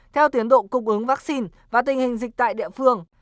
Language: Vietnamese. theo tiến độ cung ứng vaccine và tình hình dịch tại địa phương